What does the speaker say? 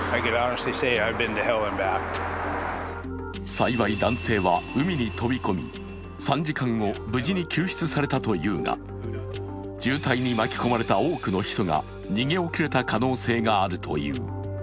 幸い男性は海に飛び込み、３時間後無事に救出されたというが、渋滞に巻き込まれた多くの人が逃げ遅れた可能性があるという。